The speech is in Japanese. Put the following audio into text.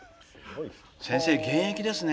「先生現役ですね。